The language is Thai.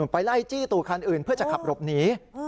ไปไล่จี้ตู่คันอื่นเพื่อจะขับหลบหนี